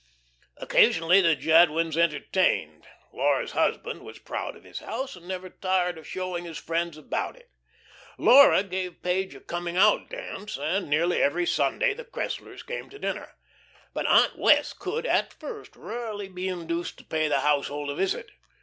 '" Occasionally the Jadwins entertained. Laura's husband was proud of his house, and never tired of showing his friends about it. Laura gave Page a "coming out" dance, and nearly every Sunday the Cresslers came to dinner. But Aunt Wess' could, at first, rarely be induced to pay the household a visit.